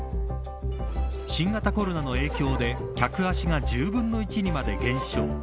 新型コロナの影響で客足が１０分の１にまで減少。